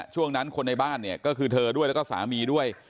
ช่วงนั้นคนในบ้านเนี่ยก็คือเธอด้วยแล้วก็สามีด้วย